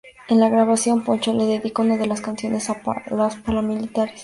En la grabación, Poncho le dedica una de las canciones a los paramilitares.